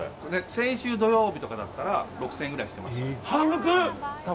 先週土曜日だったら６０００円くらいしてました。